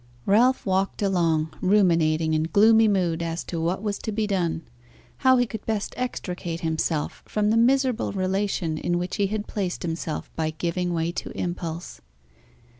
Ralph walked along, ruminating in gloomy mood as to what was to be done; how he could best extricate himself from the miserable relation in which he had placed himself by giving way to impulse.